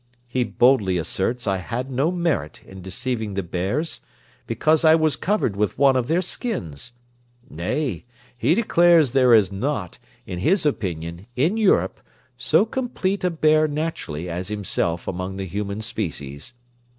He boldly asserts I had no merit in deceiving the bears, because I was covered with one of their skins; nay, he declares there is not, in his opinion, in Europe, so complete a bear naturally as himself among the human species.